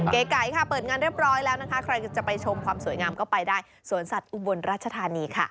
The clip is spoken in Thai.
เก๋ไก่ค่ะเปิดงานเรียบร้อยแล้วนะคะใครจะไปชมความสวยงามก็ไปได้สวนสัตว์อุบลราชธานีค่ะ